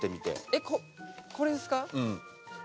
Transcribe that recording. えっここれですか？